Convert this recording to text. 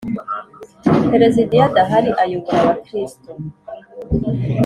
Perezida iyo adahari Ayobora abakristo